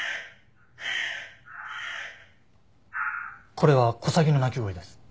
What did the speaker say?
これはコサギの鳴き声です。